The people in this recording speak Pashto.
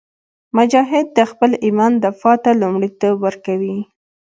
مجاهد د خپل ایمان دفاع ته لومړیتوب ورکوي.